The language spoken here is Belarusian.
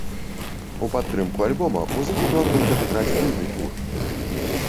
У падтрымку альбома музыкі плануюць адыграць буйны тур.